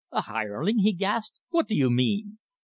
"A hireling!" he gasped. "What do you mean?"